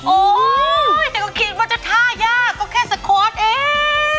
แต่ก็คิดว่าจะท่ายากก็แค่สโค้ดเอง